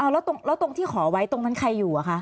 แล้วตรงที่ขอไว้ตรงนั้นใครอยู่อะคะ